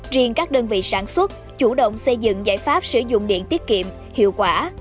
riêng các đơn vị sản xuất chủ động xây dựng giải pháp sử dụng điện tiết kiệm hiệu quả